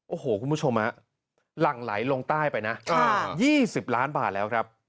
โอ้โหคุณผู้ชมหลั่งไหลลงใต้ไปนะ๒๐ล้านบาทแล้วครับ